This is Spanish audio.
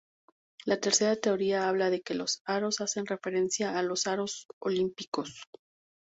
La tercera teoría habla de que los aros hacen referencia a los aros olímpicos.